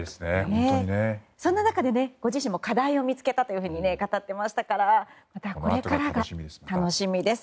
そんな中で、ご自身も課題を見つけたと語っていましたからこれからが楽しみです。